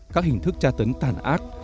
các hình thức tra tấn tàn ác